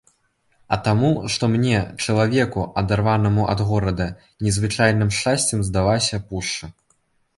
А таму, што мне, чалавеку, адарванаму ад горада, незвычайным шчасцем здалася пушча.